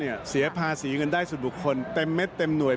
เสียภาษีเงินได้ส่วนบุคคลเต็มเม็ดเต็มหน่วย